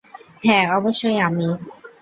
হ্যাঁ, অবশ্যই আমি।